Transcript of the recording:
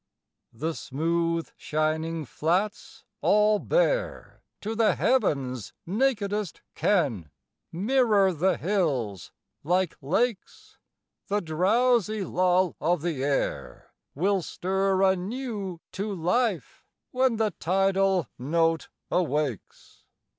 II. The smooth shining flats all bare To the heavens' nakedest ken, Mirror the hills, like lakes. The drowsy lull of the air Will stir anew to life when The tidal note awakes.